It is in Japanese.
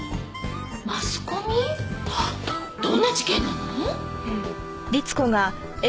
どんな事件なの？